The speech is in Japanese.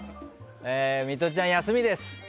ミトちゃん、休みです。